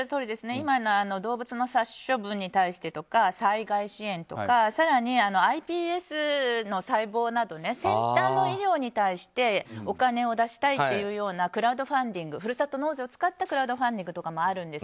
今、動物の殺処分に対してとか災害支援とか更に、ｉＰＳ細胞など先端の医療に対してお金を出したいというようなふるさと納税を使ったクラウドファンディングもあるんです。